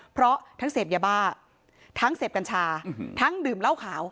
เพราะทั้งเสพยาบ้าทั้งเสพกัญชาทั้งดื่มเหล้าขาว